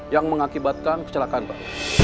yang mengakibatkan kecelakaan pak